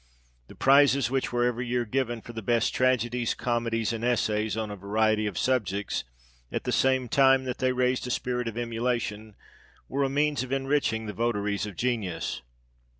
The prizes which were every year given for the best tragedies, comedies, and essays, on a variety of subjects, at the same time that they raised a spirit of emulation, were a means of enriching the votaries of genius.